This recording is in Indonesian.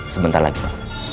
sebentar lagi pak